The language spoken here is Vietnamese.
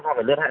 chưa hẹn được